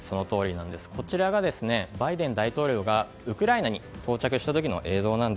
こちら、バイデン大統領がウクライナに到着した時の映像。